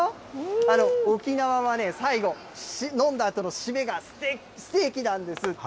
沖縄は最後、飲んだあとの締めがステーキなんですって。